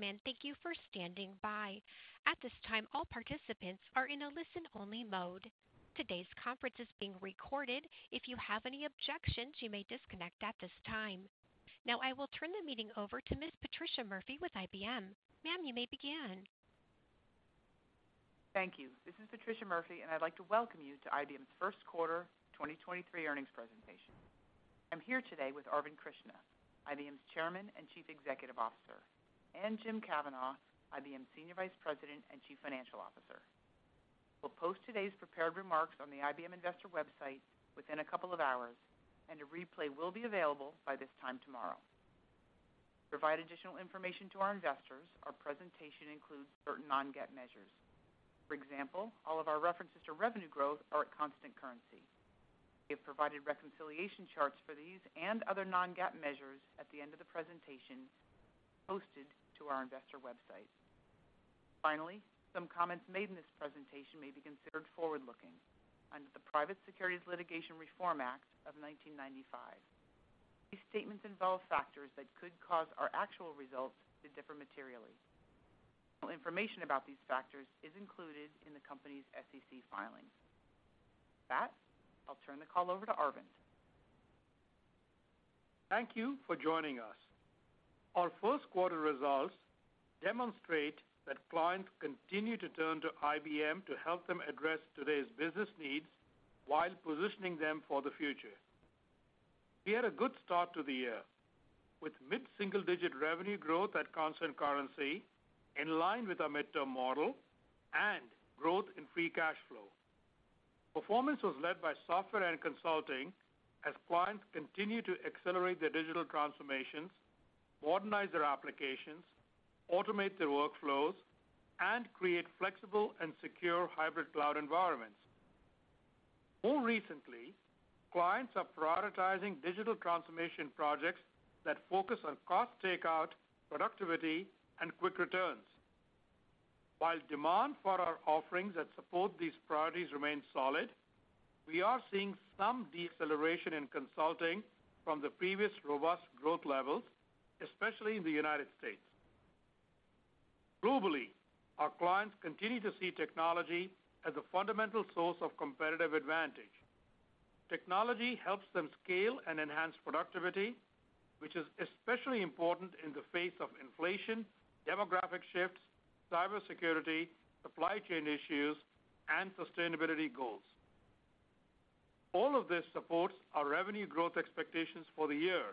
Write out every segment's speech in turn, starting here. Thank you for standing by. At this time, all participants are in a listen-only mode. Today's conference is being recorded. If you have any objections, you may disconnect at this time. Now I will turn the meeting over to Ms. Patricia Murphy with IBM. Ma'am, you may begin. Thank you. This is Patricia Murphy, and I'd like to welcome you to IBM's first quarter 2023 earnings presentation. I'm here today with Arvind Krishna, IBM's Chairman and Chief Executive Officer, and Jim Kavanaugh, IBM Senior Vice President and Chief Financial Officer. We'll post today's prepared remarks on the IBM investor website within a couple of hours, and a replay will be available by this time tomorrow. To provide additional information to our investors, our presentation includes certain non-GAAP measures. For example, all of our references to revenue growth are at constant currency. We have provided reconciliation charts for these and other non-GAAP measures at the end of the presentation posted to our investor website. Finally, some comments made in this presentation may be considered forward-looking under the Private Securities Litigation Reform Act of 1995. These statements involve factors that could cause our actual results to differ materially. Information about these factors is included in the company's SEC filings. With that, I'll turn the call over to Arvind. Thank you for joining us. Our first quarter results demonstrate that clients continue to turn to IBM to help them address today's business needs while positioning them for the future. We had a good start to the year, with mid-single-digit revenue growth at constant currency in line with our midterm model and growth in free cash flow. Performance was led by software and consulting as clients continue to accelerate their digital transformations, modernize their applications, automate their workflows, and create flexible and secure hybrid cloud environments. More recently, clients are prioritizing digital transformation projects that focus on cost takeout, productivity, and quick returns. While demand for our offerings that support these priorities remains solid, we are seeing some deceleration in consulting from the previous robust growth levels, especially in the United States. Globally, our clients continue to see technology as a fundamental source of competitive advantage. Technology helps them scale and enhance productivity, which is especially important in the face of inflation, demographic shifts, cybersecurity, supply chain issues, and sustainability goals. All of this supports our revenue growth expectations for the year.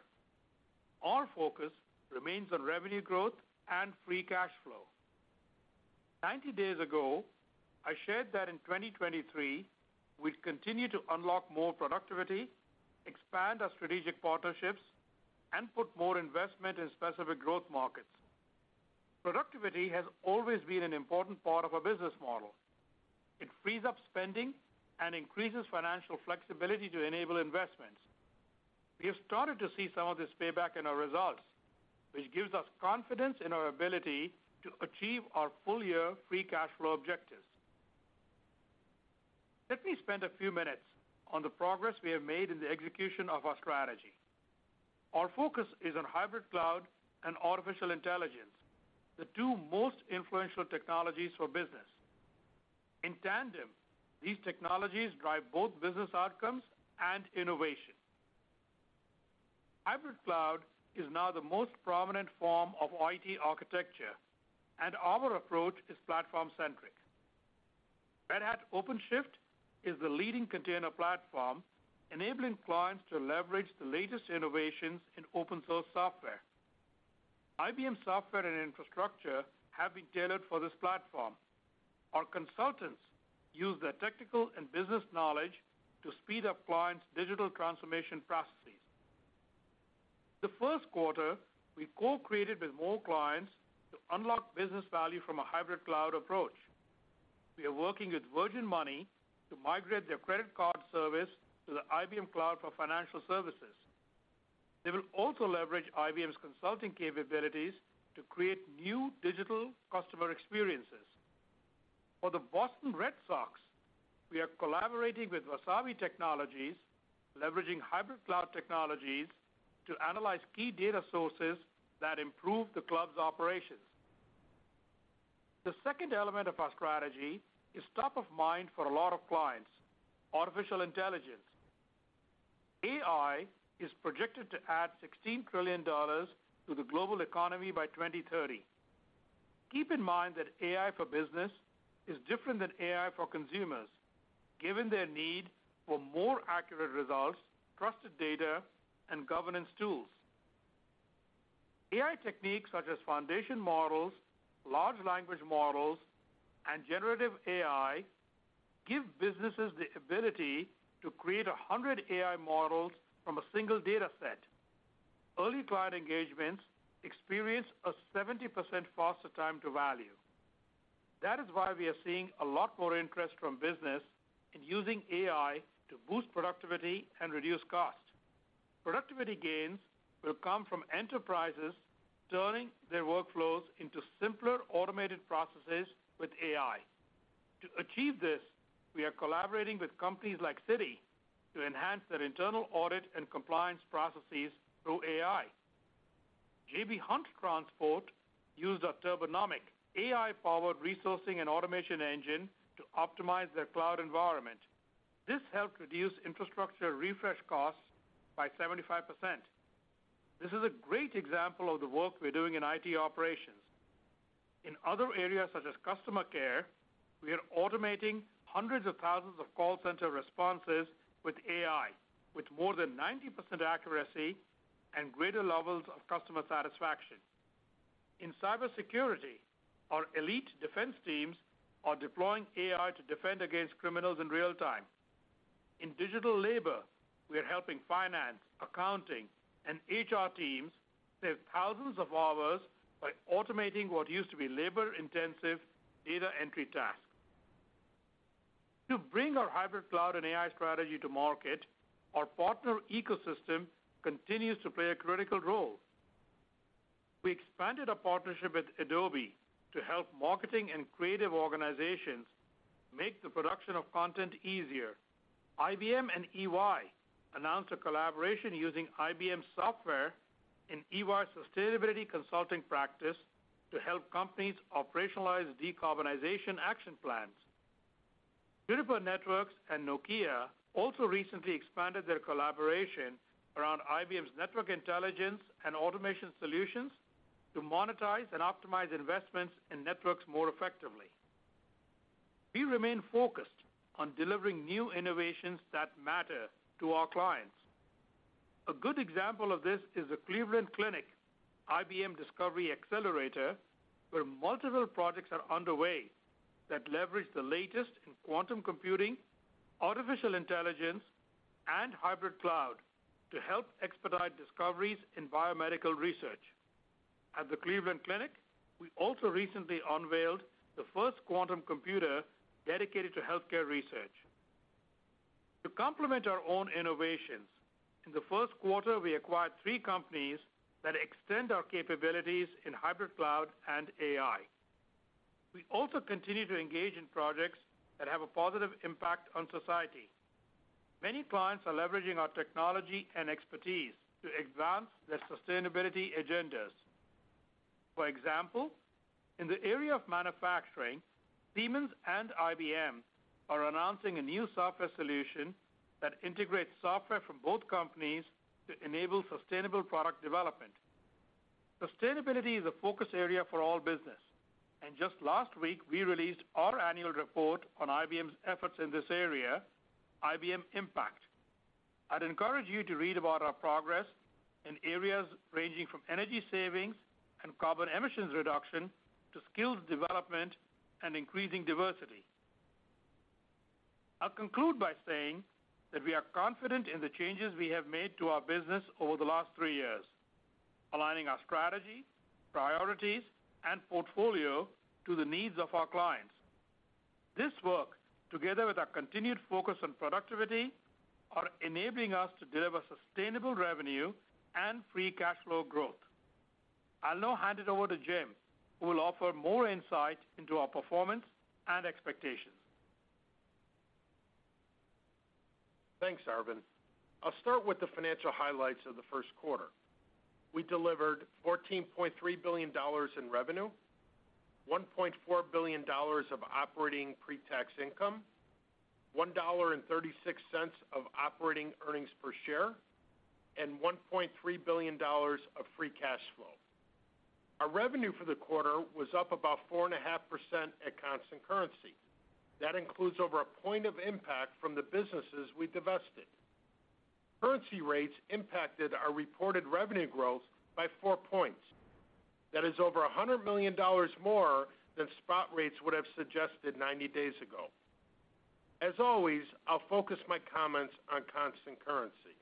Our focus remains on revenue growth and free cash flow. 90 days ago, I shared that in 2023, we'd continue to unlock more productivity, expand our strategic partnerships, and put more investment in specific growth markets. Productivity has always been an important part of our business model. It frees up spending and increases financial flexibility to enable investments. We have started to see some of this payback in our results, which gives us confidence in our ability to achieve our full-year free cash flow objectives. Let me spend a few minutes on the progress we have made in the execution of our strategy. Our focus is on hybrid cloud and artificial intelligence, the two most influential technologies for business. In tandem, these technologies drive both business outcomes and innovation. Hybrid cloud is now the most prominent form of IT architecture. Our approach is platform-centric. Red Hat OpenShift is the leading container platform, enabling clients to leverage the latest innovations in open source software. IBM software and infrastructure have been tailored for this platform. Our consultants use their technical and business knowledge to speed up clients' digital transformation processes. The first quarter, we co-created with more clients to unlock business value from a hybrid cloud approach. We are working with Virgin Money to migrate their credit card service to the IBM Cloud for Financial Services. They will also leverage IBM's consulting capabilities to create new digital customer experiences. For the Boston Red Sox, we are collaborating with Wasabi Technologies, leveraging hybrid cloud technologies to analyze key data sources that improve the club's operations. The second element of our strategy is top of mind for a lot of clients: artificial intelligence. AI is projected to add $16 trillion to the global economy by 2030. Keep in mind that AI for business is different than AI for consumers, given their need for more accurate results, trusted data, and governance tools. AI techniques such as foundation models, large language models, and generative AI give businesses the ability to create 100 AI models from a single data set. Early client engagements experience a 70% faster time to value. That is why we are seeing a lot more interest from business in using AI to boost productivity and reduce costs. Productivity gains will come from enterprises turning their workflows into simpler automated processes with AI. To achieve this, we are collaborating with companies like Citi to enhance their internal audit and compliance processes through AI. J.B. Hunt Transport used our Turbonomic AI-powered resourcing and automation engine to optimize their cloud environment. This helped reduce infrastructure refresh costs by 75%. This is a great example of the work we're doing in IT operations. In other areas, such as customer care, we are automating hundreds of thousands of call center responses with AI, with more than 90% accuracy and greater levels of customer satisfaction. In cybersecurity, our elite defense teams are deploying AI to defend against criminals in real time. In digital labor, we are helping finance, accounting, and HR teams save thousands of hours by automating what used to be labor-intensive data entry tasks. To bring our hybrid cloud and AI strategy to market, our partner ecosystem continues to play a critical role. We expanded a partnership with Adobe to help marketing and creative organizations make the production of content easier. IBM and EY announced a collaboration using IBM software in EY's sustainability consulting practice to help companies operationalize decarbonization action plans. Juniper Networks and Nokia also recently expanded their collaboration around IBM's network intelligence and automation solutions to monetize and optimize investments in networks more effectively. We remain focused on delivering new innovations that matter to our clients. A good example of this is the Cleveland Clinic-IBM Discovery Accelerator, where multiple projects are underway that leverage the latest in quantum computing, artificial intelligence, and hybrid cloud to help expedite discoveries in biomedical research. At the Cleveland Clinic, we also recently unveiled the first quantum computer dedicated to healthcare research. To complement our own innovations, in the first quarter, we acquired three companies that extend our capabilities in hybrid cloud and AI. We also continue to engage in projects that have a positive impact on society. Many clients are leveraging our technology and expertise to advance their sustainability agendas. For example, in the area of manufacturing, Siemens and IBM are announcing a new software solution that integrates software from both companies to enable sustainable product development. Sustainability is a focus area for all business, and just last week, we released our annual report on IBM's efforts in this area, IBM Impact. I'd encourage you to read about our progress in areas ranging from energy savings and carbon emissions reduction to skills development and increasing diversity. I'll conclude by saying that we are confident in the changes we have made to our business over the last three years, aligning our strategy, priorities, and portfolio to the needs of our clients. This work, together with our continued focus on productivity, are enabling us to deliver sustainable revenue and free cash flow growth. I'll now hand it over to Jim, who will offer more insight into our performance and expectations. Thanks, Arvind. I'll start with the financial highlights of the first quarter. We delivered $14.3 billion in revenue, $1.4 billion of operating pre-tax income, $1.36 of operating earnings per share, and $1.3 billion of free cash flow. Our revenue for the quarter was up about 4.5% at constant currency. That includes over a point of impact from the businesses we divested. Currency rates impacted our reported revenue growth by four points. That is over $100 million more than spot rates would have suggested 90 days ago. As always, I'll focus my comments on constant currency.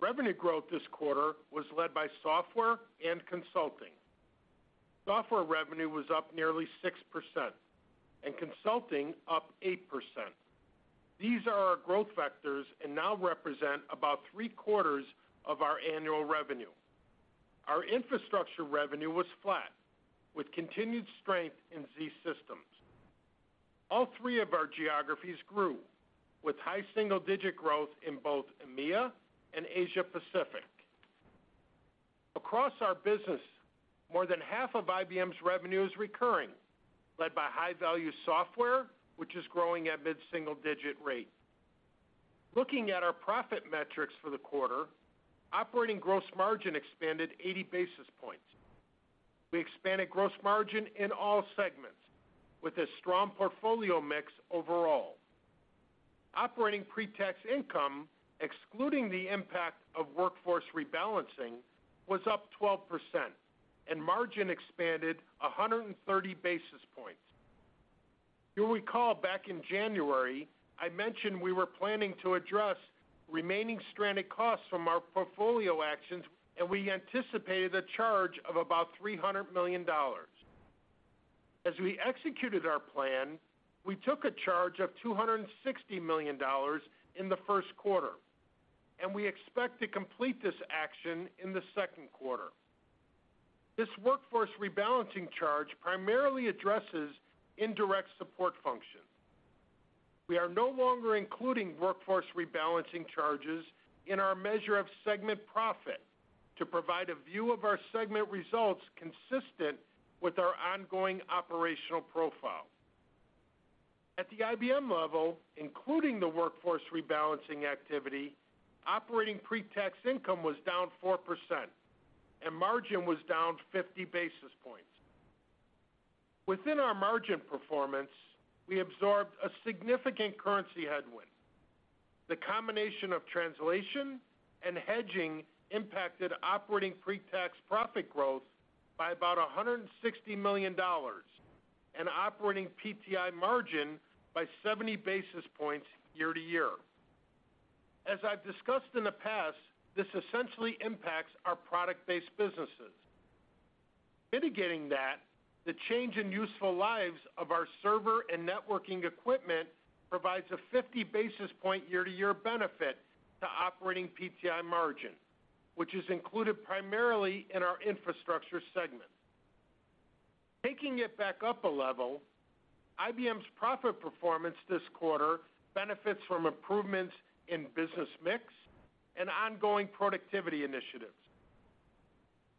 Revenue growth this quarter was led by software and consulting. Software revenue was up nearly 6% and consulting up 8%. These are our growth vectors and now represent about three-quarters of our annual revenue. Our infrastructure revenue was flat with continued strength in zSystems. All three of our geographies grew with high single-digit growth in both EMEA and Asia Pacific. Across our business, more than half of IBM's revenue is recurring, led by high-value software, which is growing at mid-single digit rate. Looking at our profit metrics for the quarter, operating gross margin expanded 80 basis points. We expanded gross margin in all segments with a strong portfolio mix overall. Operating pre-tax income, excluding the impact of workforce rebalancing, was up 12%, and margin expanded 130 basis points. You'll recall back in January, I mentioned we were planning to address remaining stranded costs from our portfolio actions, and we anticipated a charge of about $300 million. As we executed our plan, we took a charge of $260 million in the first quarter. We expect to complete this action in the second quarter. This workforce rebalancing charge primarily addresses indirect support functions. We are no longer including workforce rebalancing charges in our measure of segment profit to provide a view of our segment results consistent with our ongoing operational profile. At the IBM level, including the workforce rebalancing activity, operating pre-tax income was down 4% and margin was down 50 basis points. Within our margin performance, we absorbed a significant currency headwind. The combination of translation and hedging impacted operating pre-tax profit growth by about $160 million and operating PTI margin by 70 basis points year-to-year. As I've discussed in the past, this essentially impacts our product-based businesses. Mitigating that, the change in useful lives of our server and networking equipment provides a 50 basis point year-to-year benefit to operating PTI margin, which is included primarily in our infrastructure segment. Taking it back up a level, IBM's profit performance this quarter benefits from improvements in business mix and ongoing productivity initiatives.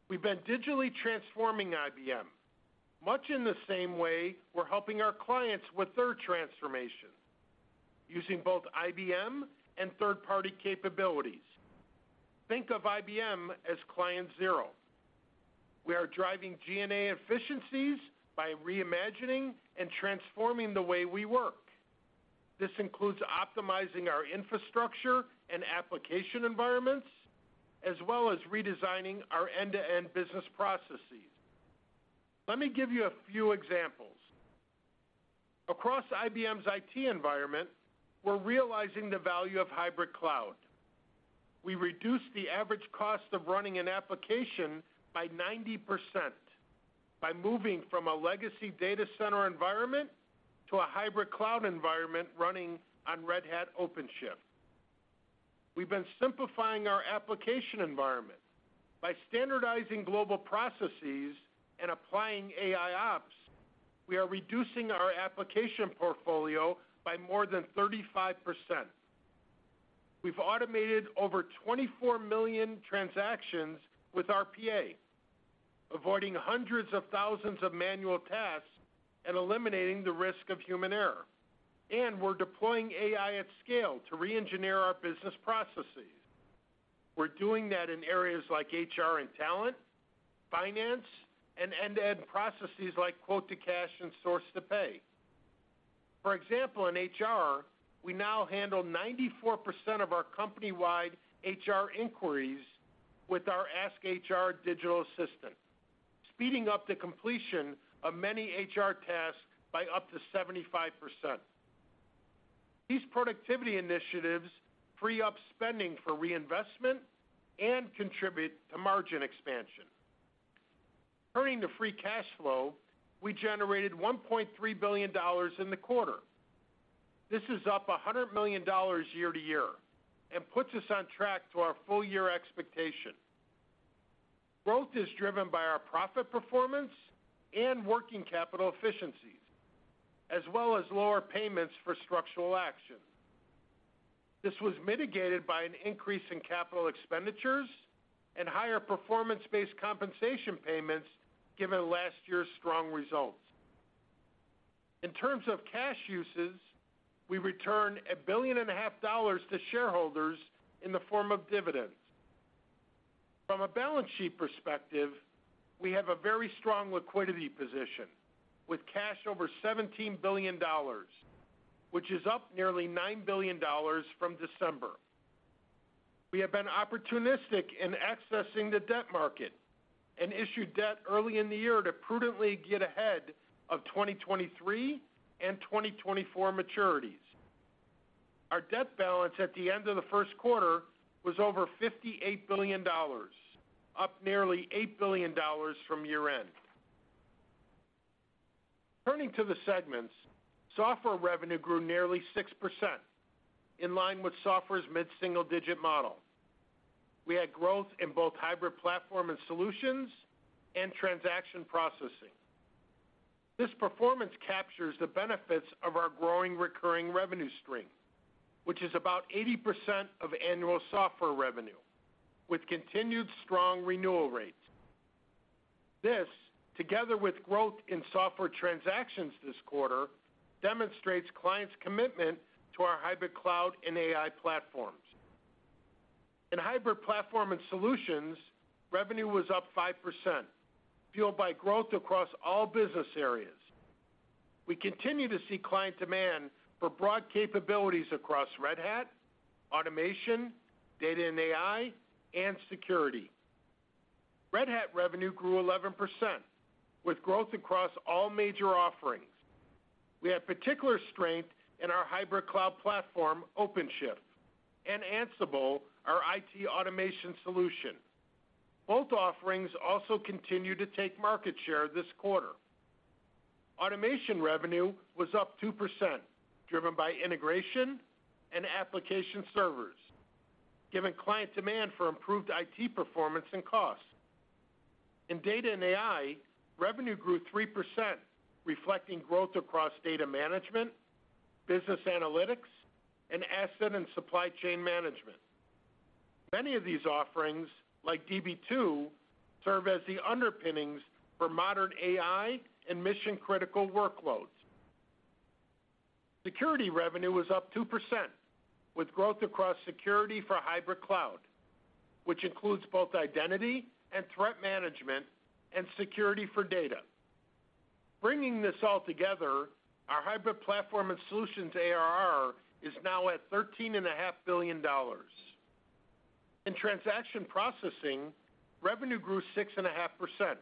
We've been digitally transforming IBM much in the same way we're helping our clients with their transformation using both IBM and third-party capabilities. Think of IBM as client zero. We are driving G&A efficiencies by reimagining and transforming the way we work. This includes optimizing our infrastructure and application environments, as well as redesigning our end-to-end business processes. Let me give you a few examples. Across IBM's IT environment, we're realizing the value of hybrid cloud. We reduced the average cost of running an application by 90% by moving from a legacy data center environment to a hybrid cloud environment running on Red Hat OpenShift. We've been simplifying our application environment by standardizing global processes and applying AIOps. We are reducing our application portfolio by more than 35%. We've automated over 24 million transactions with RPA, avoiding hundreds of thousands of manual tasks and eliminating the risk of human error. We're deploying AI at scale to re-engineer our business processes. We're doing that in areas like HR and talent, finance, and end-to-end processes like quote to cash and source to pay. For example, in HR, we now handle 94% of our company-wide HR inquiries with our AskHR digital assistant, speeding up the completion of many HR tasks by up to 75%. These productivity initiatives free up spending for reinvestment and contribute to margin expansion. Turning to free cash flow, we generated $1.3 billion in the quarter. This is up $100 million year-over-year and puts us on track to our full-year expectation. Growth is driven by our profit performance and working capital efficiencies, as well as lower payments for structural action. This was mitigated by an increase in capital expenditures and higher performance-based compensation payments given last year's strong results. In terms of cash uses, we returned a billion and a half dollars to shareholders in the form of dividends. From a balance sheet perspective, we have a very strong liquidity position with cash over $17 billion, which is up nearly $9 billion from December. We have been opportunistic in accessing the debt market and issued debt early in the year to prudently get ahead of 2023 and 2024 maturities. Our debt balance at the end of the first quarter was over $58 billion, up nearly $8 billion from year-end. Turning to the segments, software revenue grew nearly 6% in line with software's mid-single digit model. We had growth in both hybrid platform and solutions and transaction processing. This performance captures the benefits of our growing recurring revenue stream, which is about 80% of annual software revenue with continued strong renewal rates. This, together with growth in software transactions this quarter, demonstrates clients' commitment to our hybrid cloud and AI platforms. In hybrid platform and solutions, revenue was up 5%, fueled by growth across all business areas. We continue to see client demand for broad capabilities across Red Hat, automation, data and AI, and security. Red Hat revenue grew 11% with growth across all major offerings. We had particular strength in our hybrid cloud platform, OpenShift and Ansible, our IT automation solution. Both offerings also continued to take market share this quarter. Automation revenue was up 2%, driven by integration and application servers, giving client demand for improved IT performance and cost. In data and AI, revenue grew 3%, reflecting growth across data management, business analytics, and asset and supply chain management. Many of these offerings, like Db2, serve as the underpinnings for modern AI and mission-critical workloads. Security revenue was up 2%, with growth across security for hybrid cloud, which includes both identity and threat management and security for data. Bringing this all together, our hybrid platform and solutions ARR is now at $13.5 billion. In transaction processing, revenue grew 6.5%.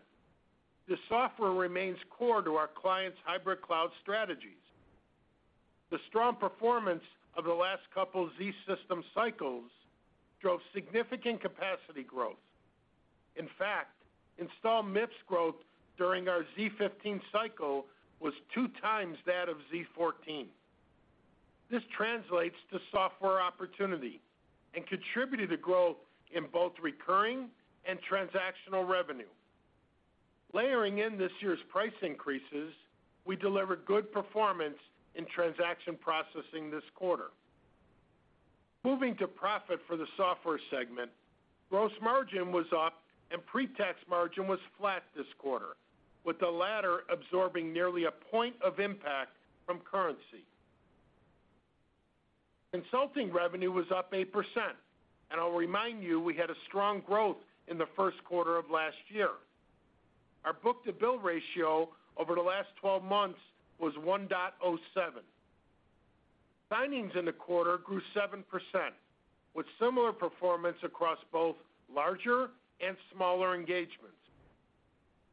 The software remains core to our clients' hybrid cloud strategies. The strong performance of the last couple zSystems cycles drove significant capacity growth. In fact, installed MIPS growth during our z15 cycle was two times that of z14. This translates to software opportunity and contributed to growth in both recurring and transactional revenue. Layering in this year's price increases, we delivered good performance in transaction processing this quarter. Moving to profit for the software segment, gross margin was up and pre-tax margin was flat this quarter, with the latter absorbing nearly a point of impact from currency. Consulting revenue was up 8%, and I'll remind you, we had a strong growth in the first quarter of last year. Our book-to-bill ratio over the last 12 months was 1.07. Signings in the quarter grew 7%, with similar performance across both larger and smaller engagements.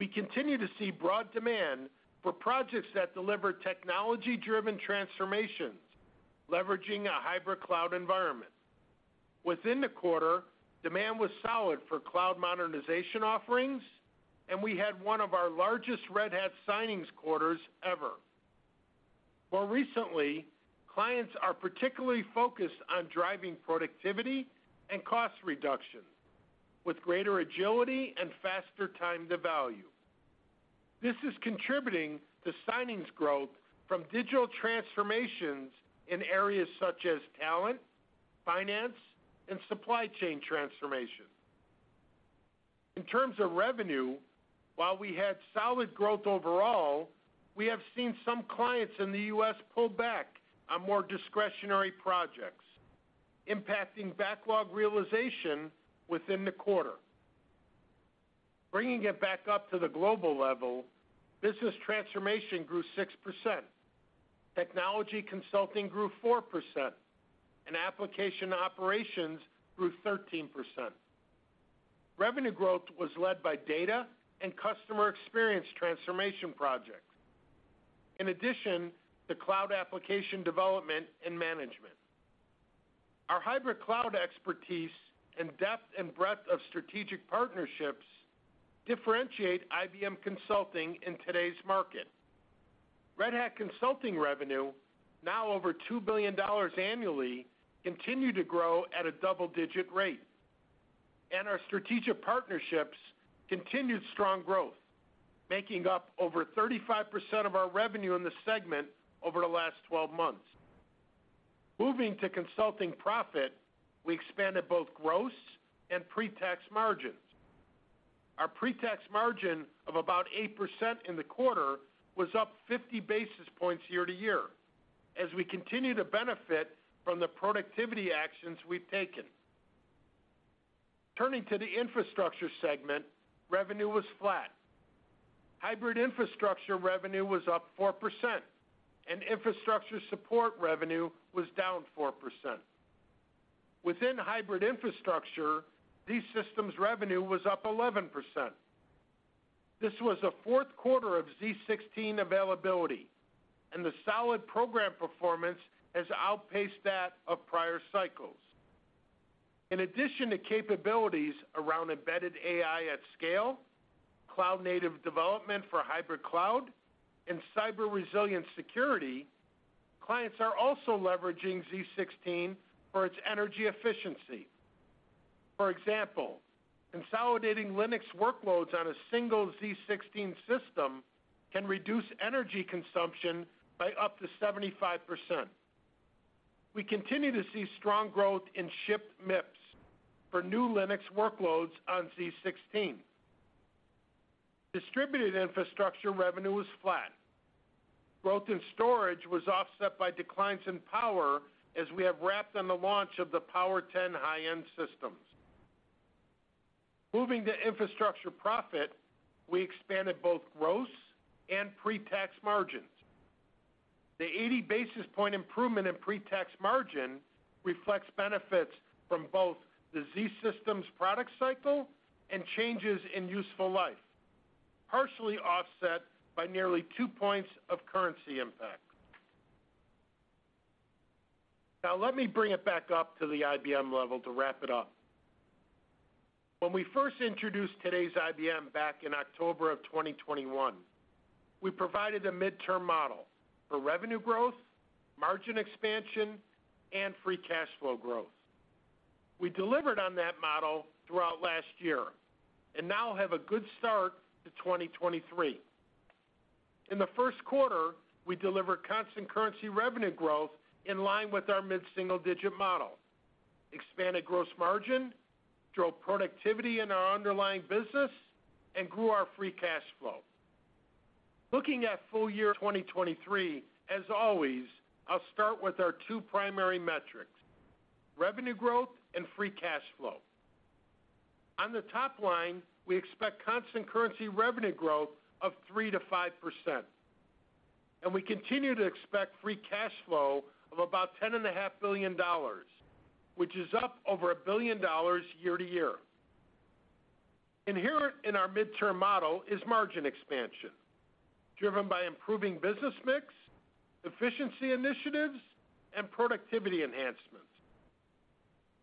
We continue to see broad demand for projects that deliver technology-driven transformations, leveraging a hybrid cloud environment. Within the quarter, demand was solid for cloud modernization offerings, and we had one of our largest Red Hat signings quarters ever. More recently, clients are particularly focused on driving productivity and cost reduction with greater agility and faster time to value. This is contributing to signings growth from digital transformations in areas such as talent, finance, and supply chain transformation. In terms of revenue, while we had solid growth overall, we have seen some clients in the U.S. pull back on more discretionary projects, impacting backlog realization within the quarter. Bringing it back up to the global level, business transformation grew 6%. Technology consulting grew 4%, and application operations grew 13%. Revenue growth was led by data and customer experience transformation projects. In addition, the cloud application development and management. Our hybrid cloud expertise and depth and breadth of strategic partnerships differentiate IBM Consulting in today's market. Red Hat consulting revenue, now over $2 billion annually, continued to grow at a double-digit rate, and our strategic partnerships continued strong growth, making up over 35% of our revenue in the segment over the last 12 months. Moving to consulting profit, we expanded both gross and pre-tax margins. Our pre-tax margin of about 8% in the quarter was up 50 basis points year-over-year as we continue to benefit from the productivity actions we've taken. Turning to the infrastructure segment, revenue was flat. Hybrid infrastructure revenue was up 4%, and infrastructure support revenue was down 4%. Within hybrid infrastructure, these systems revenue was up 11%. This was a fourth quarter of z16 availability, and the solid program performance has outpaced that of prior cycles. In addition to capabilities around embedded AI at scale, cloud-native development for hybrid cloud, and cyber resilience security, clients are also leveraging z16 for its energy efficiency. For example, consolidating Linux workloads on a single z16 system can reduce energy consumption by up to 75%. We continue to see strong growth in shipped MIPS for new Linux workloads on z16. Distributed infrastructure revenue was flat. Growth in storage was offset by declines in power as we have wrapped on the launch of the Power10 high-end systems. Moving to infrastructure profit, we expanded both gross and pre-tax margins. The 80 basis point improvement in pre-tax margin reflects benefits from both the zSystems product cycle and changes in useful life, partially offset by nearly 2 points of currency impact. Let me bring it back up to the IBM level to wrap it up. When we first introduced today's IBM back in October of 2021, we provided a midterm model for revenue growth, margin expansion, and free cash flow growth. We delivered on that model throughout last year and now have a good start to 2023. In the first quarter, we delivered constant currency revenue growth in line with our mid-single digit model, expanded gross margin, drove productivity in our underlying business, and grew our free cash flow. Looking at full year 2023, as always, I'll start with our two primary metrics, revenue growth and free cash flow. On the top line, we expect constant currency revenue growth of 3%-5%, and we continue to expect free cash flow of about $10.5 billion, which is up over $1 billion year-over-year. Inherent in our midterm model is margin expansion, driven by improving business mix, efficiency initiatives, and productivity enhancements.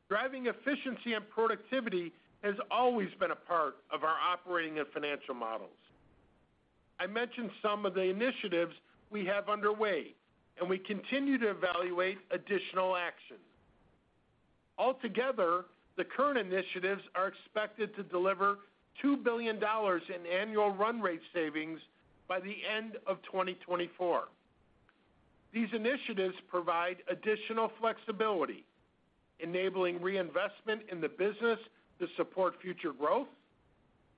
Driving efficiency and productivity has always been a part of our operating and financial models. I mentioned some of the initiatives we have underway, and we continue to evaluate additional action. Altogether, the current initiatives are expected to deliver $2 billion in annual run rate savings by the end of 2024. These initiatives provide additional flexibility, enabling reinvestment in the business to support future growth,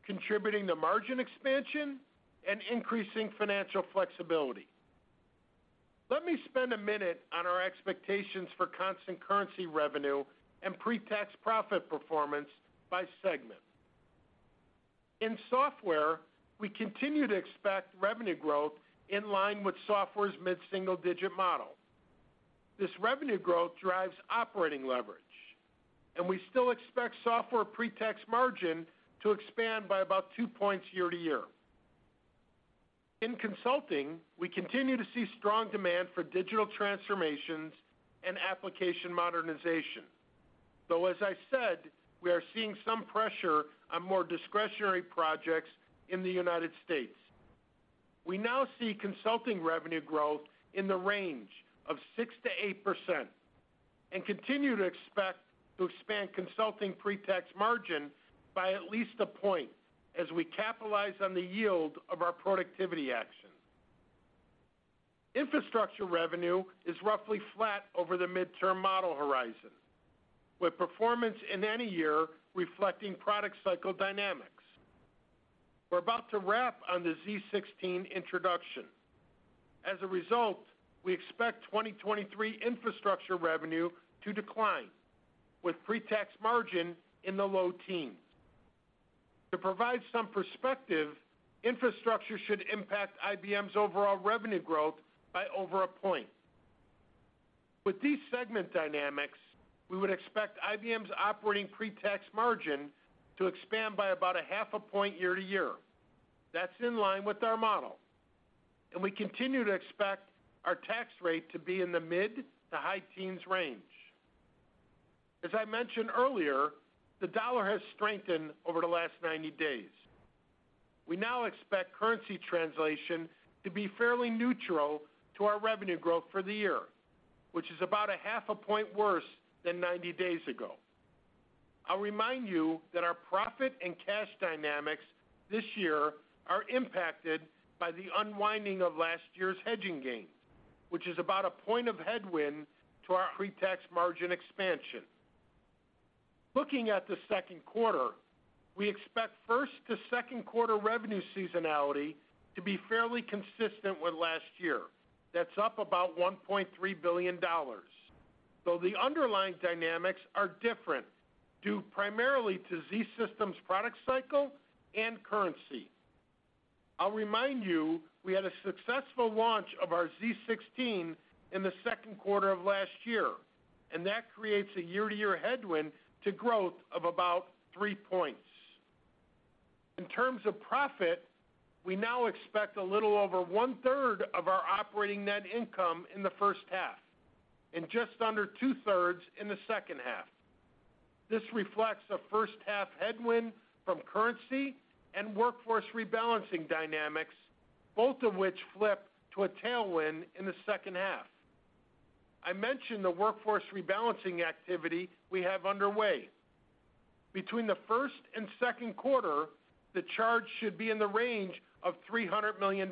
contributing to margin expansion, and increasing financial flexibility. Let me spend a minute on our expectations for constant currency revenue and pre-tax profit performance by segment. In software, we continue to expect revenue growth in line with software's mid-single-digit model. This revenue growth drives operating leverage, and we still expect software pre-tax margin to expand by about two points year-to-year. In consulting, we continue to see strong demand for digital transformations and application modernization, though as I said, we are seeing some pressure on more discretionary projects in the United States. We now see consulting revenue growth in the range of 6%-8% and continue to expect to expand consulting pre-tax margin by at least a point as we capitalize on the yield of our productivity action. Infrastructure revenue is roughly flat over the midterm model horizon, with performance in any year reflecting product cycle dynamics. We're about to wrap on the z16 introduction. As a result, we expect 2023 infrastructure revenue to decline, with pre-tax margin in the low teens. To provide some perspective, infrastructure should impact IBM's overall revenue growth by over 1 point. With these segment dynamics, we would expect IBM's operating pre-tax margin to expand by about a 0.5 point year-to-year. That's in line with our model. We continue to expect our tax rate to be in the mid to high teens range. As I mentioned earlier, the dollar has strengthened over the last 90 days. We now expect currency translation to be fairly neutral to our revenue growth for the year, which is about a 0.5 point worse than 90 days ago. I'll remind you that our profit and cash dynamics this year are impacted by the unwinding of last year's hedging gains, which is about a point of headwind to our pre-tax margin expansion. Looking at the second quarter, we expect first to second quarter revenue seasonality to be fairly consistent with last year. That's up about $1.3 billion, though the underlying dynamics are different, due primarily to IBM zSystems product cycle and currency. I'll remind you, we had a successful launch of our z16 in the second quarter of last year. That creates a year-to-year headwind to growth of about 3 points. In terms of profit, we now expect a little over one-third of our operating net income in the first half and just under two-thirds in the second half. This reflects a first-half headwind from currency and workforce rebalancing dynamics, both of which flip to a tailwind in the second half. I mentioned the workforce rebalancing activity we have underway. Between the first and second quarter, the charge should be in the range of $300 million,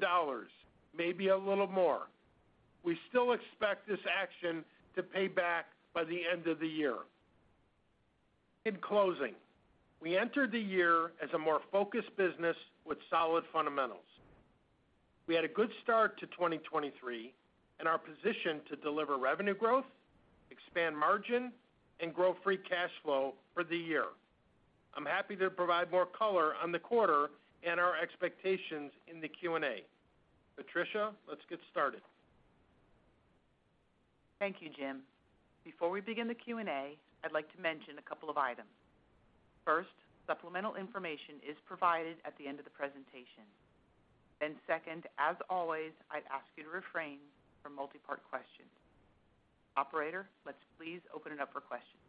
maybe a little more. We still expect this action to pay back by the end of the year. In closing, we entered the year as a more focused business with solid fundamentals. We had a good start to 2023 and are positioned to deliver revenue growth, expand margin, and grow free cash flow for the year. I'm happy to provide more color on the quarter and our expectations in the Q&A. Patricia, let's get started. Thank you, Jim. Before we begin the Q&A, I'd like to mention a couple of items. First, supplemental information is provided at the end of the presentation. Second, as always, I'd ask you to refrain from multipart questions. Operator, let's please open it up for questions.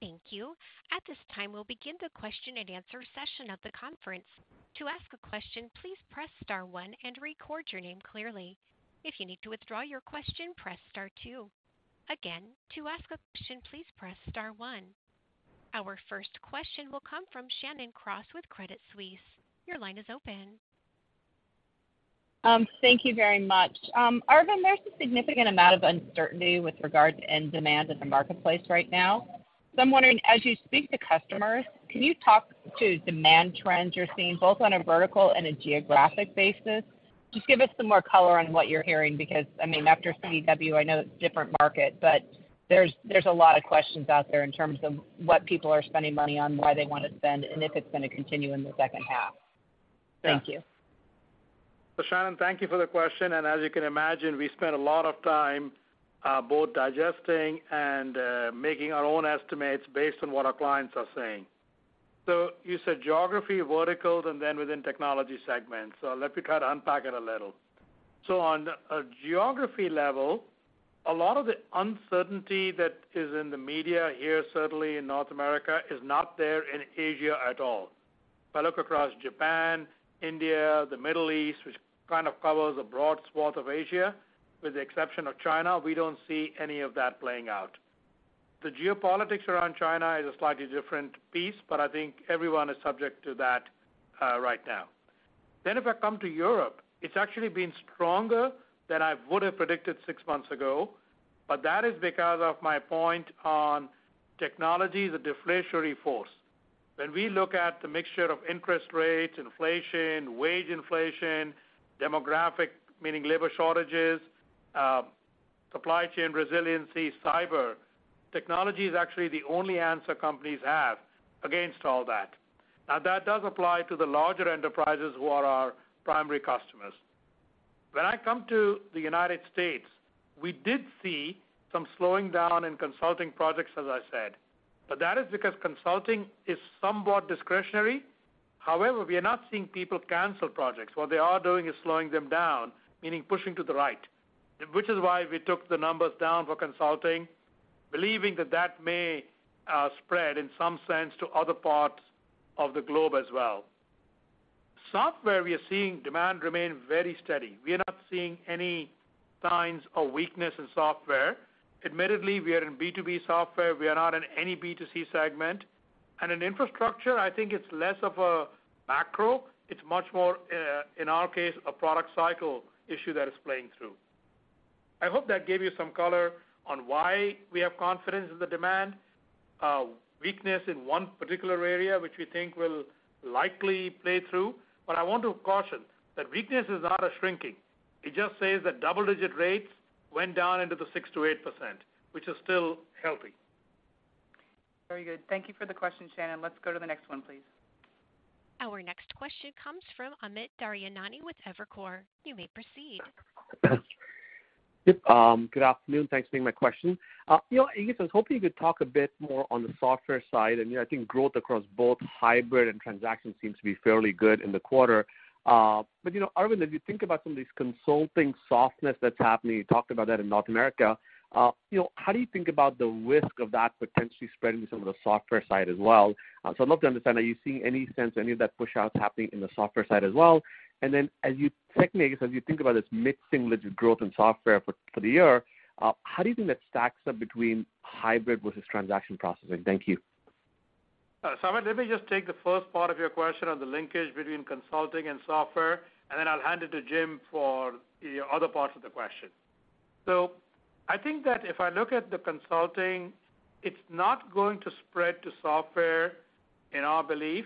Thank you. At this time, we'll begin the question-and-answer session of the conference. To ask a question, please press star one and record your name clearly. If you need to withdraw your question, press star two. Again, to ask a question, please press star one. Our first question will come from Shannon Cross with Credit Suisse. Your line is open. Thank you very much. Arvind, there's a significant amount of uncertainty with regards to end demand in the marketplace right now. I'm wondering, as you speak to customers, can you talk to demand trends you're seeing both on a vertical and a geographic basis? Just give us some more color on what you're hearing because, I mean, after CDW, I know it's different market, but there's a lot of questions out there in terms of what people are spending money on, why they wanna spend, and if it's gonna continue in the second half. Thank you. Shannon, thank you for the question. As you can imagine, we spend a lot of time, both digesting and making our own estimates based on what our clients are saying. You said geography, verticals, and then within technology segments. Let me try to unpack it a little. On a geography level, a lot of the uncertainty that is in the media here, certainly in North America, is not there in Asia at all. If I look across Japan, India, the Middle East, which kind of covers a broad swath of Asia, with the exception of China, we don't see any of that playing out. The geopolitics around China is a slightly different piece, but I think everyone is subject to that right now. If I come to Europe, it's actually been stronger than I would have predicted six months ago, that is because of my point on technology, the deflationary force. When we look at the mixture of interest rates, inflation, wage inflation, demographic, meaning labor shortages, supply chain resiliency, cyber, technology is actually the only answer companies have against all that. That does apply to the larger enterprises who are our primary customers. When I come to the U.S., we did see some slowing down in consulting projects, as I said, that is because consulting is somewhat discretionary. We are not seeing people cancel projects. What they are doing is slowing them down, meaning pushing to the right, which is why we took the numbers down for consulting, believing that that may spread in some sense to other parts of the globe as well. Software, we are seeing demand remain very steady. We are not seeing any signs of weakness in software. Admittedly, we are in B2B software. We are not in any B2C segment. In infrastructure, I think it's less of a macro. It's much more in our case, a product cycle issue that is playing through. I hope that gave you some color on why we have confidence in the demand weakness in one particular area, which we think will likely play through. I want to caution that weakness is not a shrinking. It just says that double-digit rates went down into the 6%-8%, which is still healthy. Very good. Thank you for the question, Shannon. Let's go to the next one, please. Our next question comes from Amit Daryanani with Evercore. You may proceed. Yep, good afternoon. Thanks for taking my question. You know, I guess I was hoping you could talk a bit more on the software side. You know, I think growth across both hybrid and transaction seems to be fairly good in the quarter. You know, Arvind, as you think about some of these consulting softness that's happening, you talked about that in North America, you know, how do you think about the risk of that potentially spreading to some of the software side as well? I'd love to understand, are you seeing any sense, any of that push out happening in the software side as well? Then secondly, I guess, as you think about this mid-single-digit growth in software for the year, how do you think that stacks up between hybrid versus transaction processing? Thank you. Amit, let me just take the first part of your question on the linkage between consulting and software, and then I'll hand it to Jim for the other parts of the question. I think that if I look at the consulting, it's not going to spread to software, in our belief.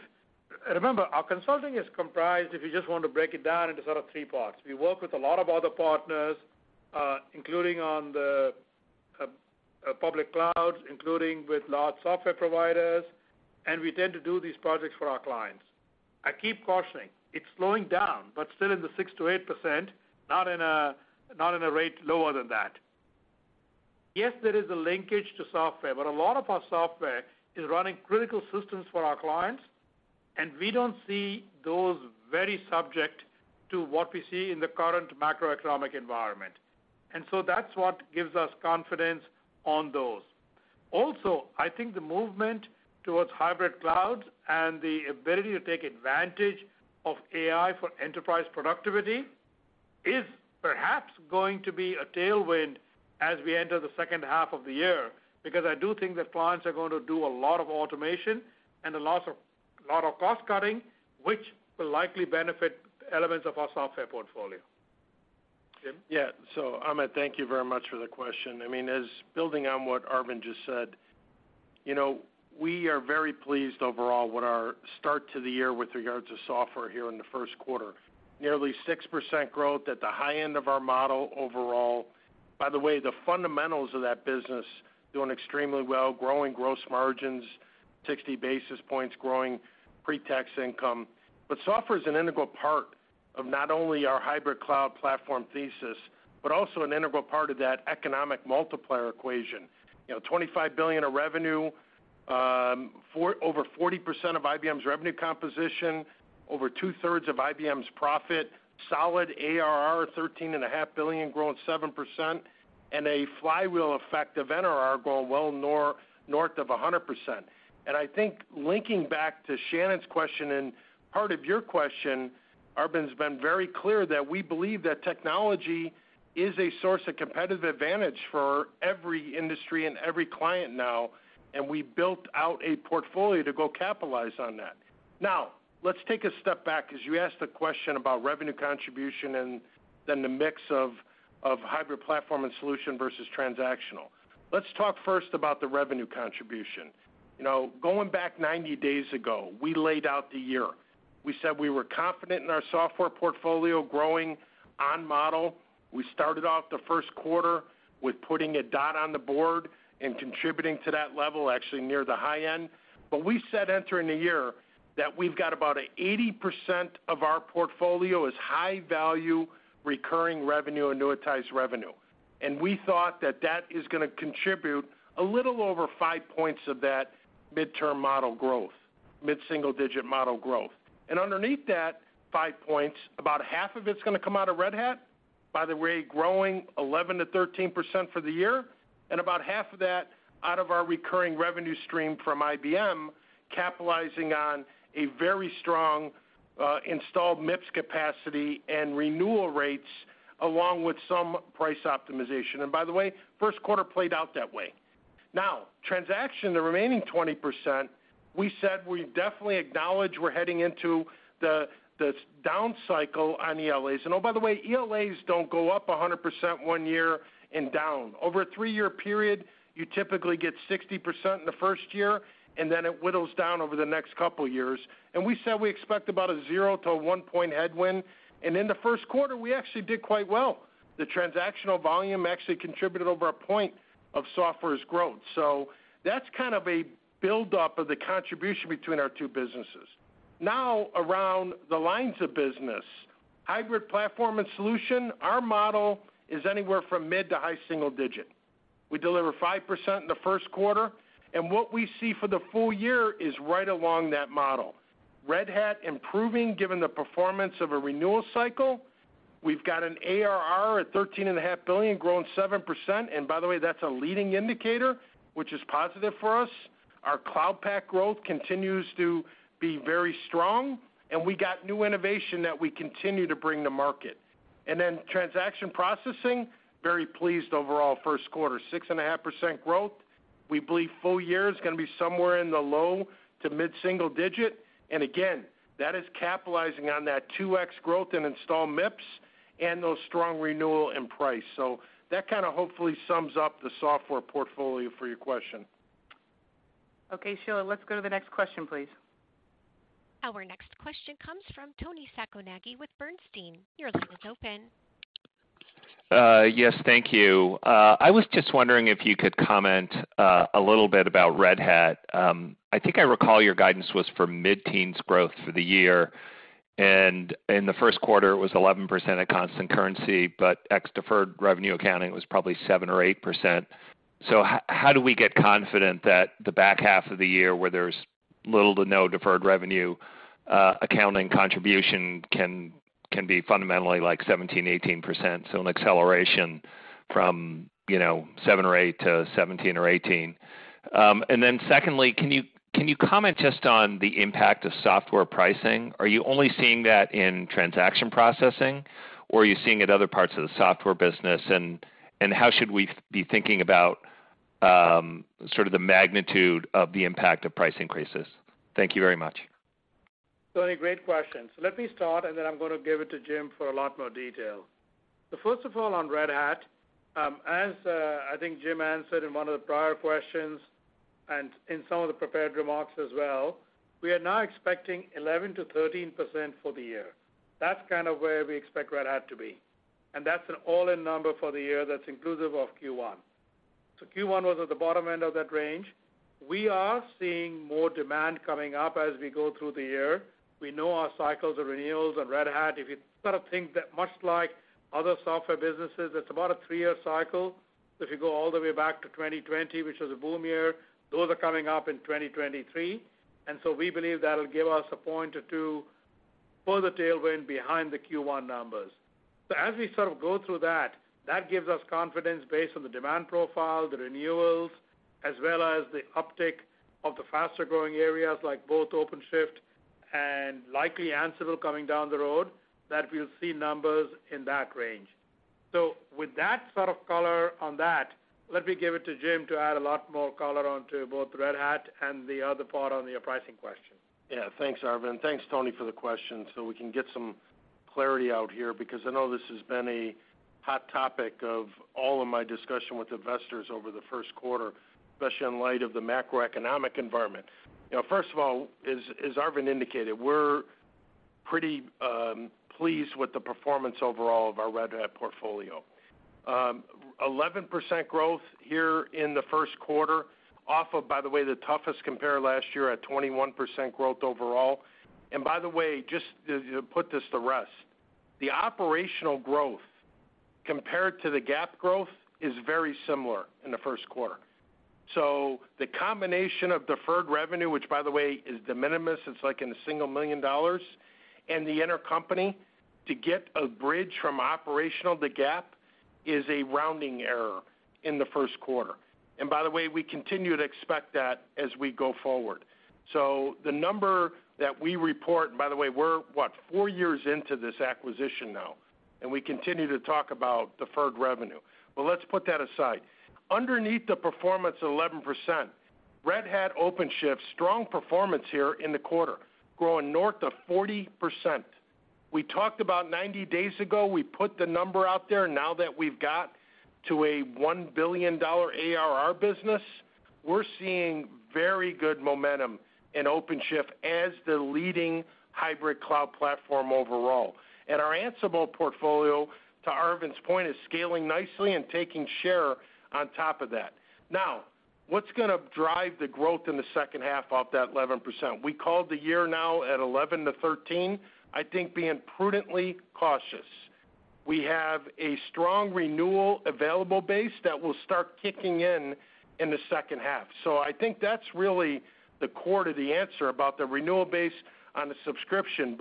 Remember, our consulting is comprised, if you just want to break it down, into sort of three parts. We work with a lot of other partners, including on the public clouds, including with large software providers, and we tend to do these projects for our clients. I keep cautioning, it's slowing down, but still in the 6%-8%, not in a, not in a rate lower than that. Yes, there is a linkage to software, but a lot of our software is running critical systems for our clients, and we don't see those very subject to what we see in the current macroeconomic environment. That's what gives us confidence on those. Also, I think the movement towards hybrid cloud and the ability to take advantage of AI for enterprise productivity is perhaps going to be a tailwind as we enter the second half of the year, because I do think that clients are going to do a lot of automation and a lot of cost cutting, which will likely benefit elements of our software portfolio. Jim? Yeah. Amit, thank you very much for the question. I mean, as building on what Arvind just said, you know, we are very pleased overall with our start to the year with regards to software here in the first quarter. Nearly 6% growth at the high end of our model overall. By the way, the fundamentals of that business doing extremely well, growing gross margins, 60 basis points growing pre-tax income. Software is an integral part of not only our hybrid cloud platform thesis, but also an integral part of that economic multiplier equation. You know, $25 billion of revenue, over 40% of IBM's revenue composition, over two-thirds of IBM's profit, solid ARR, $13.5 billion growing 7%, and a flywheel effect of NRR growing well north of 100%. I think linking back to Shannon Cross's question and part of your question, Arvind Krishna's been very clear that we believe that technology is a source of competitive advantage for every industry and every client now, and we built out a portfolio to go capitalize on that. Let's take a step back because you asked the question about revenue contribution and then the mix of hybrid platform and solution versus transactional. Let's talk first about the revenue contribution. You know, going back 90 days ago, we laid out the year. We said we were confident in our software portfolio growing on model. We started off the first quarter with putting a dot on the board and contributing to that level, actually near the high end. We said entering the year that we've got about 80% of our portfolio is high value, recurring revenue, annuitized revenue. We thought that that is gonna contribute a little over five points of that midterm model growth, mid-single-digit model growth. Underneath that five points, about half of it's gonna come out of Red Hat, by the way, growing 11%-13% for the year, and about half of that out of our recurring revenue stream from IBM, capitalizing on a very strong installed MIPS capacity and renewal rates, along with some price optimization. By the way, first quarter played out that way. Now, transaction, the remaining 20%, we said we definitely acknowledge we're heading into the down cycle on ELAs. Oh, by the way, ELAs don't go up 100% one year and down. Over a three-year period, you typically get 60% in the first year, and then it whittles down over the next couple years. We said we expect about a 0-1 point headwind. In the first quarter, we actually did quite well. The transactional volume actually contributed over a 1 point of software's growth. That's kind of a build-up of the contribution between our two businesses. Around the lines of business, hybrid platform and solution, our model is anywhere from mid to high single digit. We deliver 5% in the first quarter, and what we see for the full year is right along that model. Red Hat improving given the performance of a renewal cycle. We've got an ARR at $13.5 billion growing 7%. By the way, that's a leading indicator, which is positive for us. Our Cloud Pak growth continues to be very strong, and we got new innovation that we continue to bring to market. Transaction processing, very pleased overall first quarter, 6.5% growth. We believe full year is gonna be somewhere in the low to mid-single digit. Again, that is capitalizing on that 2x growth in installed MIPS and those strong renewal in price. That kinda hopefully sums up the software portfolio for your question. Okay, Sheila, let's go to the next question, please. Our next question comes from Toni Sacconaghi with Bernstein. Your line is open. Yes, thank you. I was just wondering if you could comment a little bit about Red Hat. I think I recall your guidance was for mid-teens growth for the year, in the first quarter, it was 11% at constant currency, but ex deferred revenue accounting, it was probably 7% or 8%. How do we get confident that the back half of the year where there's little to no deferred revenue accounting contribution can be fundamentally like 17%, 18%, so an acceleration from, you know, 7% or 8% to 17% or 18%? Then secondly, can you comment just on the impact of software pricing? Are you only seeing that in transaction processing or are you seeing it other parts of the software business? How should we be thinking about sort of the magnitude of the impact of price increases? Thank you very much. Toni, great question. Let me start, and then I'm gonna give it to Jim for a lot more detail. First of all, on Red Hat, as I think Jim answered in one of the prior questions and in some of the prepared remarks as well, we are now expecting 11%-13% for the year. That's kind of where we expect Red Hat to be, and that's an all-in number for the year that's inclusive of Q1. Q1 was at the bottom end of that range. We are seeing more demand coming up as we go through the year. We know our cycles of renewals on Red Hat. If you sort of think that much like other software businesses, it's about a three-year cycle. If you go all the way back to 2020, which was a boom year, those are coming up in 2023. We believe that'll give us a point or two further tailwind behind the Q1 numbers. As we sort of go through that gives us confidence based on the demand profile, the renewals, as well as the uptick of the faster-growing areas like both OpenShift and likely Ansible coming down the road, that we'll see numbers in that range. With that sort of color on that, let me give it to Jim to add a lot more color onto both Red Hat and the other part on the pricing question. Yeah. Thanks, Arvind. Thanks, Toni, for the question. We can get some clarity out here because I know this has been a hot topic of all of my discussion with investors over the first quarter, especially in light of the macroeconomic environment. You know, first of all, as Arvind indicated, we're pretty pleased with the performance overall of our Red Hat portfolio. 11% growth here in the first quarter off of, by the way, the toughest compare last year at 21% growth overall. By the way, just to put this to rest, the operational growth compared to the GAAP growth is very similar in the first quarter. The combination of deferred revenue, which by the way is de minimis, it's like in a $1 million, and the intercompany, to get a bridge from operational to GAAP is a rounding error in the first quarter. By the way, we continue to expect that as we go forward. The number that we report, by the way, we're what? Four years into this acquisition now, and we continue to talk about deferred revenue. Let's put that aside. Underneath the performance of 11%, Red Hat OpenShift, strong performance here in the quarter, growing north of 40%. We talked about 90 days ago, we put the number out there. Now that we've got to a $1 billion ARR business, we're seeing very good momentum in OpenShift as the leading hybrid cloud platform overall. Our Ansible portfolio, to Arvind's point, is scaling nicely and taking share on top of that. Now, what's gonna drive the growth in the second half of that 11%? We called the year now at 11%-13%, I think being prudently cautious. We have a strong renewal available base that will start kicking in the second half. I think that's really the core to the answer about the renewal base on the subscription.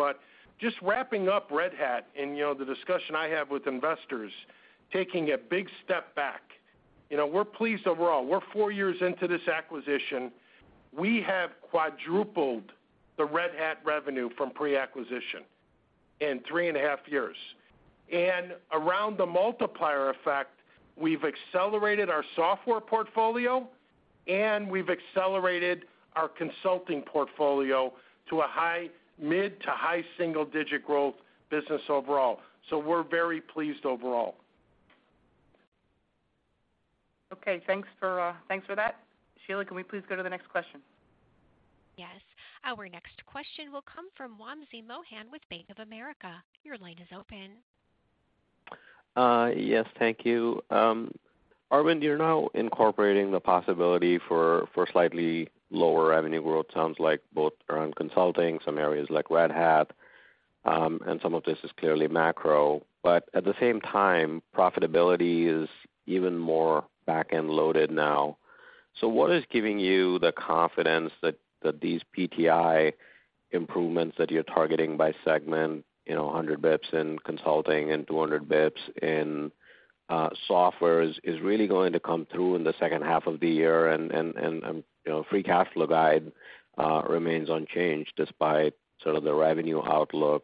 Just wrapping up Red Hat and, you know, the discussion I have with investors, taking a big step back. You know, we're pleased overall. We're four years into this acquisition. We have quadrupled the Red Hat revenue from pre-acquisition in three and a half years. Around the multiplier effect, we've accelerated our software portfolio, and we've accelerated our consulting portfolio to a high mid-to high single-digit growth business overall. We're very pleased overall. Okay. Thanks for that. Sheila, can we please go to the next question? Yes. Our next question will come from Wamsi Mohan with Bank of America. Your line is open. Yes, thank you. Arvind, you're now incorporating the possibility for slightly lower revenue growth. Sounds like both around consulting, some areas like Red Hat, and some of this is clearly macro. At the same time, profitability is even more back-end loaded now. What is giving you the confidence that these PTI improvements that you're targeting by segment, you know, 100 basis points in consulting and 200 basis points in softwares, is really going to come through in the second half of the year and, you know, free cash flow guide remains unchanged despite sort of the revenue outlook,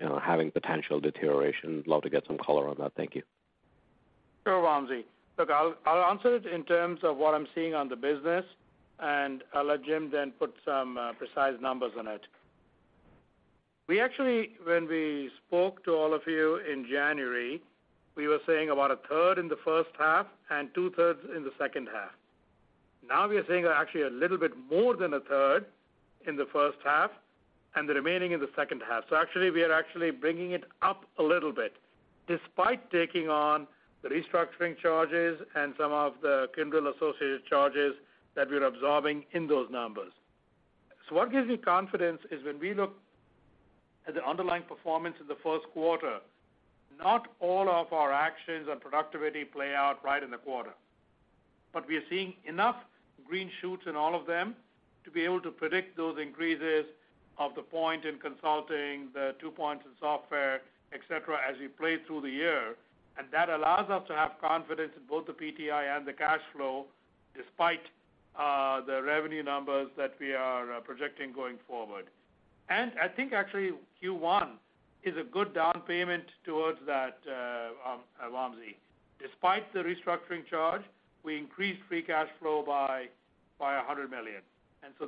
you know, having potential deterioration? Love to get some color on that. Thank you. Sure, Wamsi. Look, I'll answer it in terms of what I'm seeing on the business, and I'll let Jim then put some precise numbers on it. We actually, when we spoke to all of you in January, we were saying about a third in the first half and two-thirds in the second half. Now we are saying actually a little bit more than a third in the first half and the remaining in the second half. Actually, we are bringing it up a little bit despite taking on the restructuring charges and some of the Kyndryl-associated charges that we're absorbing in those numbers. What gives me confidence is when we look at the underlying performance in the first quarter, not all of our actions and productivity play out right in the quarter. We are seeing enough green shoots in all of them to be able to predict those increases of the point in consulting, 2 points in software, et cetera, as we play through the year. That allows us to have confidence in both the PTI and the cash flow despite the revenue numbers that we are projecting going forward. I think actually Q1 is a good down payment towards that, Wamsi. Despite the restructuring charge, we increased free cash flow by $100 million.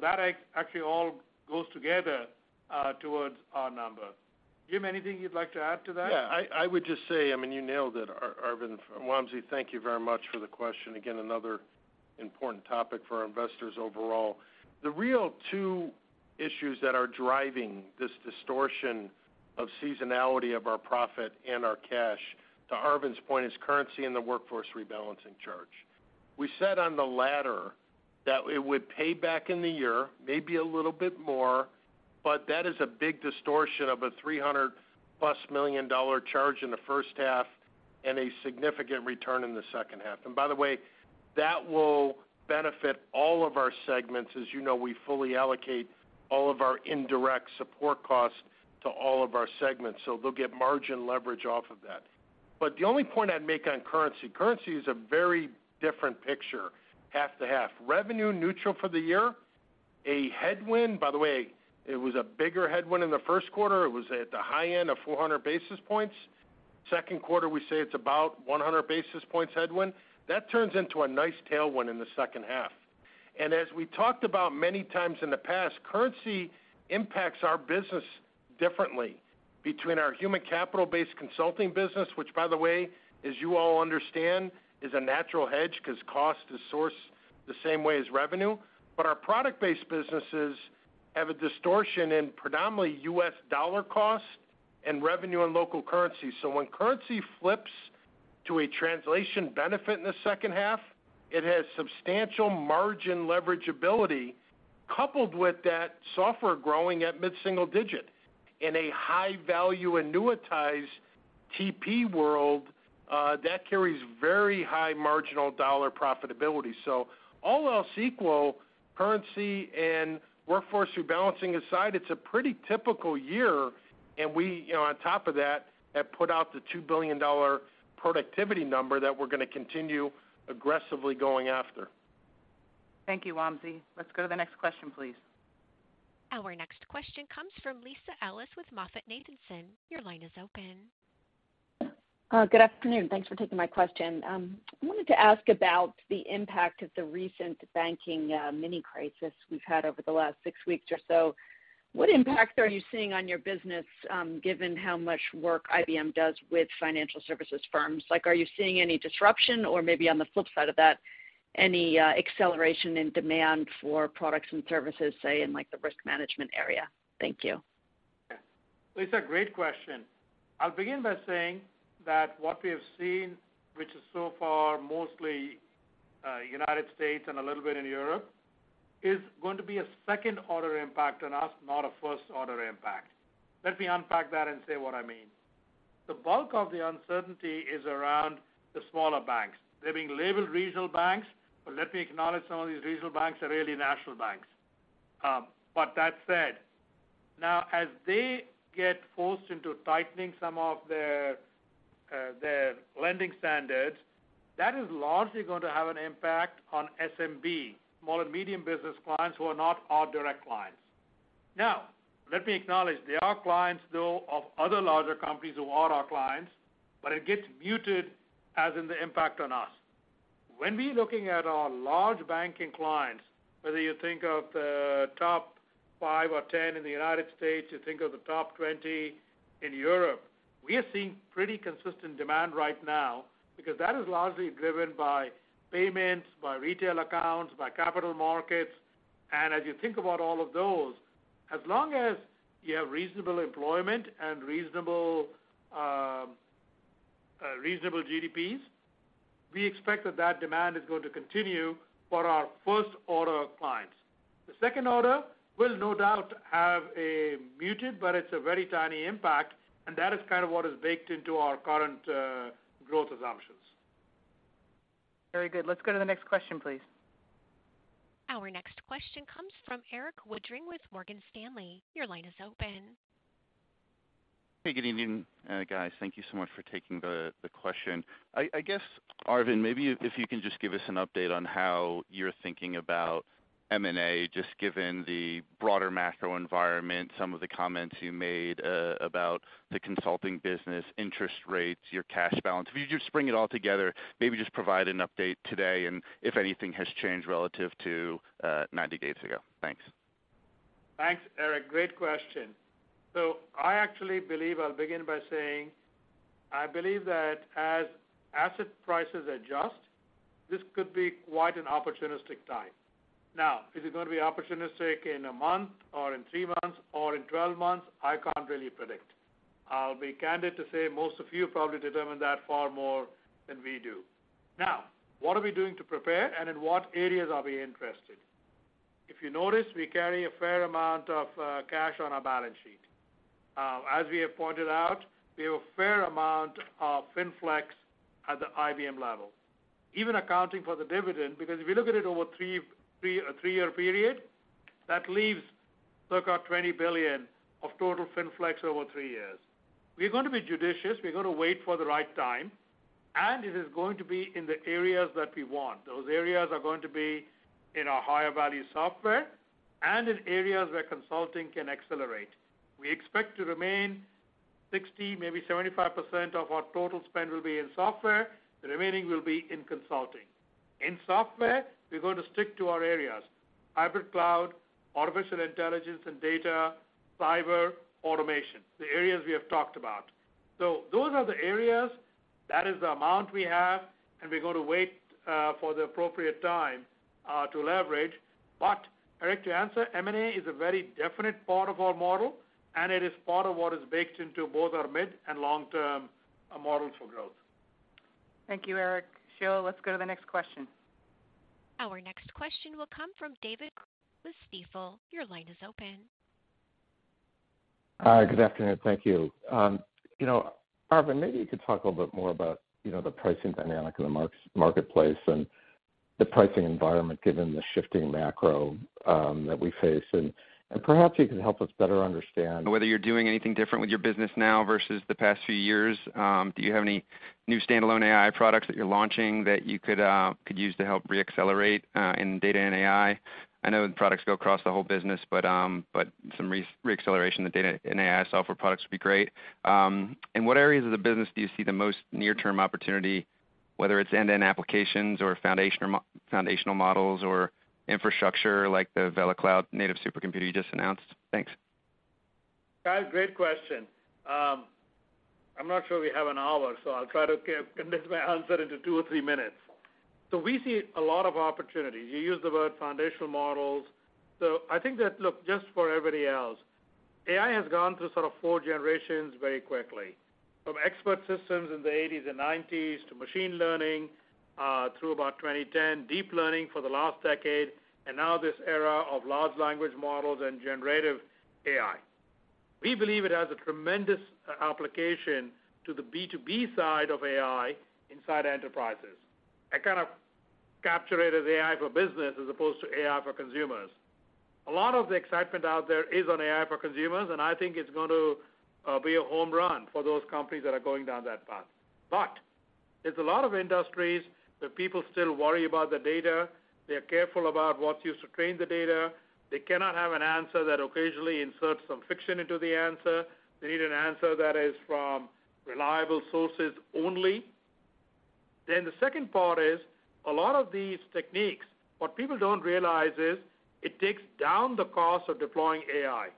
That actually all goes together towards our number. Jim, anything you'd like to add to that? Yeah. I would just say, I mean, you nailed it, Arvind. Wamsi, thank you very much for the question. Again, another important topic for our investors overall. The real two issues that are driving this distortion of seasonality of our profit and our cash, to Arvind's point, is currency and the workforce rebalancing charge. We said on the latter that it would pay back in the year, maybe a little bit more, but that is a big distortion of a $300+ million charge in the first half and a significant return in the second half. By the way, that will benefit all of our segments. As you know, we fully allocate all of our indirect support costs to all of our segments, so they'll get margin leverage off of that. The only point I'd make on currency is a very different picture, half to half. Revenue neutral for the year, a headwind. By the way, it was a bigger headwind in the first quarter. It was at the high end of 400 basis points. Second quarter, we say it's about 100 basis points headwind. That turns into a nice tailwind in the second half. As we talked about many times in the past, currency impacts our business differently between our human capital-based consulting business, which by the way, as you all understand, is a natural hedge 'cause cost is sourced the same way as revenue. Our product-based businesses have a distortion in predominantly U.S. dollar cost and revenue and local currency. When currency flips to a translation benefit in the second half, it has substantial margin leverageability coupled with that software growing at mid-single digit in a high-value annuitized TP world that carries very high marginal dollar profitability. All else equal, currency and workforce rebalancing aside, it's a pretty typical year, and we, you know, on top of that, have put out the $2 billion productivity number that we're gonna continue aggressively going after. Thank you, Wamsi. Let's go to the next question, please. Our next question comes from Lisa Ellis with MoffettNathanson. Your line is open. Good afternoon. Thanks for taking my question. I wanted to ask about the impact of the recent banking mini-crisis we've had over the last six weeks or so. What impact are you seeing on your business, given how much work IBM does with financial services firms? Like, are you seeing any disruption or maybe on the flip side of that, any acceleration in demand for products and services, say in like the risk management area? Thank you. Lisa, great question. I'll begin by saying that what we have seen, which is so far mostly, U.S. and a little bit in Europe, is going to be a second-order impact on us, not a first-order impact. Let me unpack that and say what I mean. The bulk of the uncertainty is around the smaller banks. They're being labeled regional banks. Let me acknowledge some of these regional banks are really national banks. That said, now as they get forced into tightening some of their lending standards, that is largely going to have an impact on SMB, small and medium business clients who are not our direct clients. Let me acknowledge there are clients, though, of other larger companies who are our clients. It gets muted as in the impact on us. When we're looking at our large banking clients, whether you think of the top five or 10 in the United States, you think of the top 20 in Europe, we are seeing pretty consistent demand right now because that is largely driven by payments, by retail accounts, by capital markets. As you think about all of those, as long as you have reasonable employment and reasonable GDPs, we expect that that demand is going to continue for our first-order clients. The second order will no doubt have a muted, but it's a very tiny impact, and that is kind of what is baked into our current growth assumptions. Very good. Let's go to the next question, please. Our next question comes from Erik Woodring with Morgan Stanley. Your line is open. Hey, good evening, guys. Thank you so much for taking the question. I guess, Arvind, maybe if you can just give us an update on how you're thinking about M&A, just given the broader macro environment, some of the comments you made, about the consulting business, interest rates, your cash balance. If you just bring it all together, maybe just provide an update today and if anything has changed relative to 90 days ago. Thanks. Thanks, Erik. Great question. I actually believe I'll begin by saying I believe that as asset prices adjust, this could be quite an opportunistic time. Is it going to be opportunistic in a month or in three months or in 12 months? I can't really predict. I'll be candid to say most of you probably determine that far more than we do. What are we doing to prepare and in what areas are we interested? If you notice, we carry a fair amount of cash on our balance sheet. As we have pointed out, we have a fair amount of finflex at the IBM level. Even accounting for the dividend, because if you look at it over a three-year period, that leaves circa $20 billion of total finflex over three years. We're going to be judicious, we're going to wait for the right time, and it is going to be in the areas that we want. Those areas are going to be in our higher value software and in areas where consulting can accelerate. We expect to remain 60%, maybe 75% of our total spend will be in software, the remaining will be in consulting. In software, we're going to stick to our areas, hybrid cloud, artificial intelligence and data, cyber, automation, the areas we have talked about. Those are the areas, that is the amount we have, and we're going to wait for the appropriate time to leverage. Erik, to answer, M&A is a very definite part of our model, and it is part of what is baked into both our mid and long-term models for growth. Thank you, Erik. Sheila, let's go to the next question. Our next question will come from David with Stifel. Your line is open. Hi, good afternoon. Thank you. You know, Arvind, maybe you could talk a little bit more about, you know, the pricing dynamic in the marketplace and the pricing environment given the shifting macro, that we face. Perhaps you can help us better understand... Whether you're doing anything different with your business now versus the past few years. Do you have any new standalone AI products that you're launching that you could use to help reaccelerate in data and AI? I know the products go across the whole business, but some reacceleration in the data and AI software products would be great. And what areas of the business do you see the most near-term opportunity, whether it's end-to-end applications or foundation or foundational models or infrastructure like the Vela cloud native supercomputer you just announced? Thanks. Dave, great question. I'm not sure we have an hour, so I'll try to condense my answer into two or three minutes. We see a lot of opportunities. You used the word foundation models. I think that, look, just for everybody else, AI has gone through sort of four generations very quickly, from expert systems in the 1980s and 1990s to machine learning, through about 2010, deep learning for the last decade, and now this era of large language models and generative AI. We believe it has a tremendous application to the B2B side of AI inside enterprises. I kind of capture it as AI for business as opposed to AI for consumers. A lot of the excitement out there is on AI for consumers, and I think it's going to be a home run for those companies that are going down that path. There's a lot of industries that people still worry about the data. They're careful about what's used to train the data. They cannot have an answer that occasionally inserts some fiction into the answer. They need an answer that is from reliable sources only. The second part is a lot of these techniques, what people don't realize is it takes down the cost of deploying AI.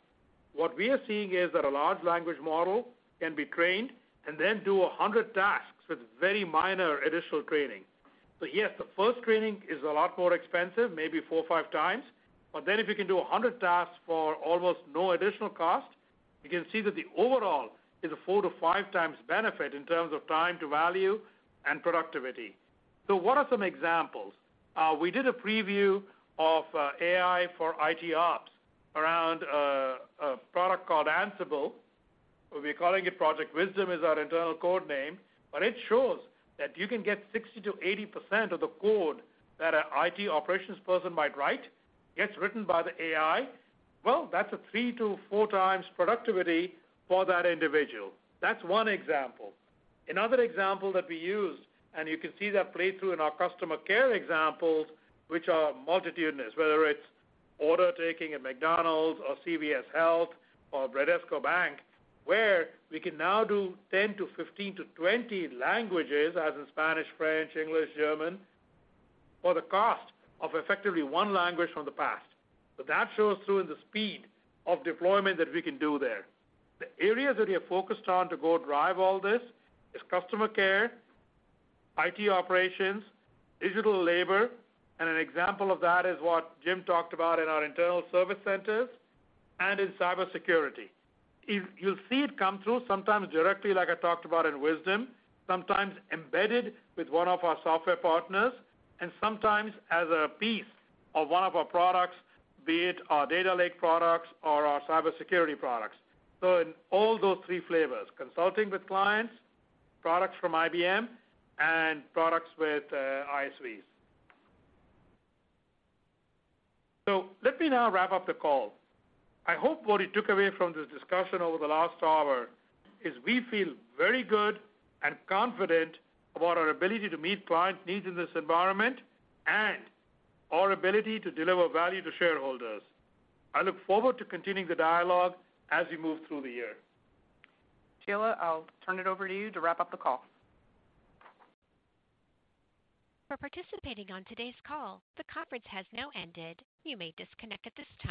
What we are seeing is that a large language model can be trained and then do 100 tasks with very minor additional training. Yes, the first training is a lot more expensive, maybe four or five times, but then if you can do 100 tasks for almost no additional cost, you can see that the overall is a four or five times benefit in terms of time to value and productivity. What are some examples? We did a preview of AI for IT ops around a product called Ansible. We're calling it Project Wisdom, is our internal code name. It shows that you can get 60%-80% of the code that a IT operations person might write, gets written by the AI. That's a three to four times productivity for that individual. That's one example. Another example that we use, and you can see that play through in our customer care examples, which are multitudinous, whether it's order taking at McDonald's or CVS Health or Bradesco Bank, where we can now do 10 to 15 to 20 languages, as in Spanish, French, English, German, for the cost of effectively 1 language from the past. That shows through in the speed of deployment that we can do there. The areas that we have focused on to go drive all this is customer care, IT operations, digital labor, and an example of that is what Jim talked about in our internal service centers, and in cybersecurity. If you'll see it come through sometimes directly, like I talked about in Wisdom, sometimes embedded with one of our software partners, and sometimes as a piece of one of our products, be it our data lake products or our cybersecurity products. In all those three flavors, consulting with clients, products from IBM, and products with ISVs. Let me now wrap up the call. I hope what you took away from this discussion over the last hour is we feel very good and confident about our ability to meet client needs in this environment and our ability to deliver value to shareholders. I look forward to continuing the dialogue as we move through the year. Sheila, I'll turn it over to you to wrap up the call. For participating on today's call, the conference has now ended. You may disconnect at this time.